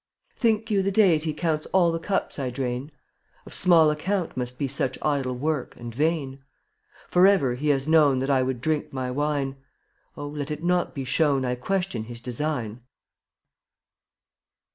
Think you the Deity Counts all the cups I drain? Of small account must be Such idle work and vain. Forever He has known That I would drink my wine; Oh, let it not be shown I question His design.